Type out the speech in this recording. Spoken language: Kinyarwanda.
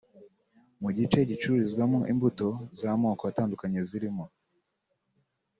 Mu gice gicururizwamo imbuto z’amoko atandukanye zirimo